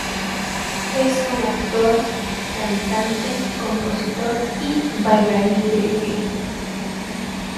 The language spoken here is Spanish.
Es un actor, cantante, compositor y bailarín filipino.